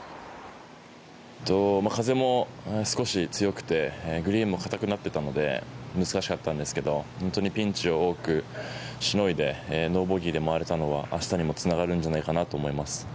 風も少し強くてグリーンもかたくなっていたので難しかったんですけど本当にピンチを多くしのいでノーボギーで回れたのは明日につながると思います。